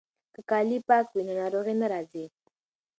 که کالي پاک وي نو ناروغي نه راځي.